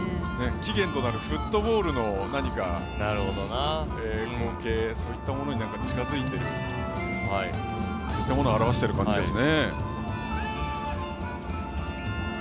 起源となるフットボールの光景そういったものに近づいていることを表している感じですかね。